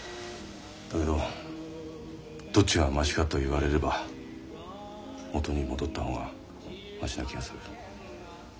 だけどどっちがマシかと言われれば元に戻った方がマシな気がする。